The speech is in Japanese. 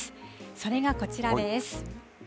それがこちらです。